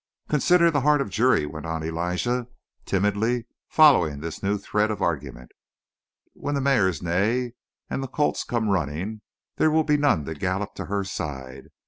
"Consider the heart of Juri," went on Elijah, timidly following this new thread of argument. "When the mares neigh and the colts come running, there will be none to gallop to her side.